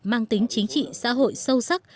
mang tính chính trị xã hội sâu sắc